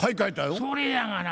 それやがな。